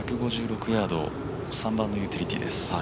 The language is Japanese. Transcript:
１５６ヤード、３番のユーティリティーです。